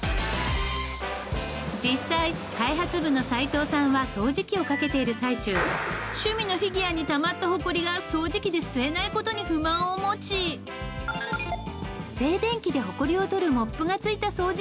実際開発部の齋藤さんは掃除機をかけている最中趣味のフィギュアにたまったホコリが掃除機で吸えない事に不満を持ち静電気でホコリを取るモップが付いた掃除機を開発。